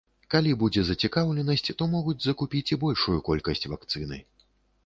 Калі будзе зацікаўленасць, то могуць закупіць і большую колькасць вакцыны.